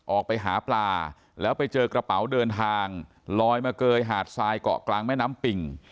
ออกไปหาปลาแล้วไปเจอกระเป๋าเดินทางลอยมาเกยหาดทรายเกาะกลางแม่น้ำปิ่ง